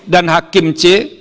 dan hakim c